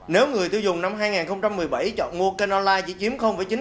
nếu người tiêu dùng năm hai nghìn một mươi bảy chọn mua kênh online chỉ chiếm chín